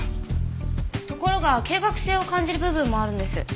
ところが計画性を感じる部分もあるんです。